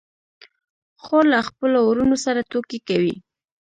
خور له خپلو وروڼو سره ټوکې کوي.